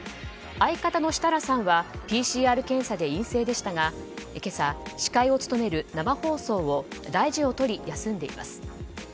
相方の設楽さんはＰＣＲ検査で陰性でしたが今朝、司会を務める生放送を大事を取り休んでいます。